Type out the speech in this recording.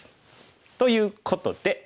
ということで。